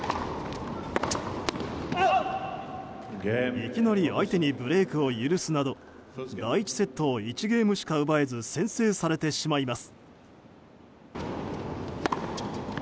いきなり相手にブレークを許すなど第１セットを１ゲームしか奪えず先制されてしまいます。